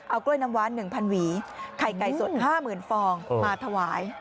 เอากล้วยน้ำว้าน๑๐๐หวีไข่ไก่สด๕๐๐๐ฟองมาถวาย